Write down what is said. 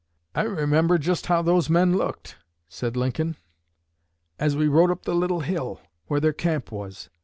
"I remember just how those men looked," said Lincoln, "as we rode up the little hill where their camp was.